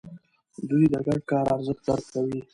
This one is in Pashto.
دوی د ګډ کار ارزښت درک کوي.